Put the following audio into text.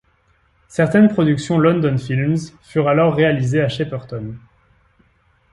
Certaines productions London Films furent alors réalisées à Shepperton.